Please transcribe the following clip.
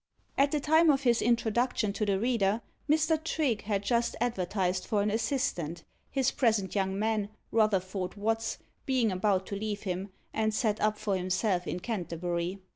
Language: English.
At the time of his introduction to the reader, Mr. Trigge had just advertised for an assistant, his present young man, Rutherford Watts, being about to leave him, and set up for himself in Canterbury.